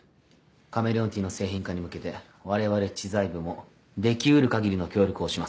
カメレオンティーの製品化に向けて我々知財部もできうる限りの協力をします。